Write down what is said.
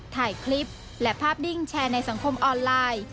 ถ่ายคลิปและภาพดิ้งแชร์ในสังคมออนไลน์